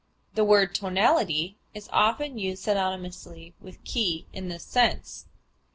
The word tonality is often used synonymously with key in this sense.